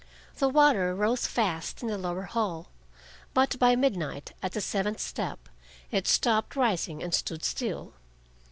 The water rose fast in the lower hall, but by midnight, at the seventh step, it stopped rising and stood still.